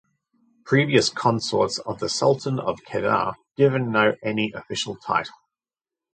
Previous consorts of the Sultan of Kedah given no any official title.